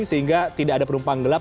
sehingga tidak ada penumpang gelap